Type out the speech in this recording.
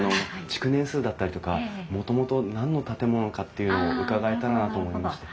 築年数だったりとかもともと何の建物かっていうのを伺えたらなと思いまして。